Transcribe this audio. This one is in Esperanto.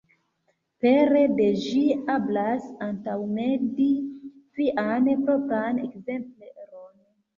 Pere de ĝi, eblas antaŭmendi vian propran ekzempleron.